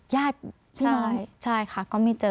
ญาติที่น้องใช่ค่ะก็ไม่เจอ